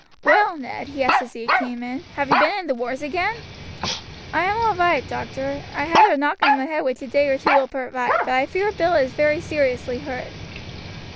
"Well, Ned," he asked as he came in, "have you been in the wars again?" "I am all right, doctor. I had a knock on the head which a day or two will put right; but I fear Bill is very seriously hurt."